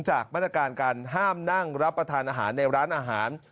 จากมาตรการการห้ามนั่งรับประทานอาหารในร้านอาหาร